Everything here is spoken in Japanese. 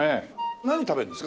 何食べるんですか？